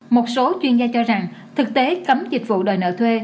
một số chuyên gia cho rằng thực tế cấm dịch vụ đòi nợ thuê